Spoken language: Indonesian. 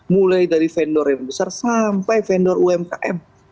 mulai dari vendor yang besar sampai vendor umkm